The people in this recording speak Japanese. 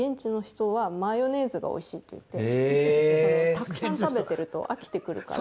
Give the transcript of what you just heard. たくさん食べてると飽きてくるから。